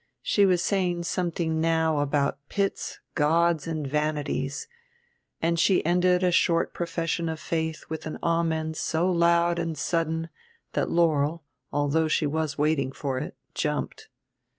She was saying something now about pits, gauds and vanities; and she ended a short profession of faith with an amen so loud and sudden that Laurel, although she was waiting for it, jumped.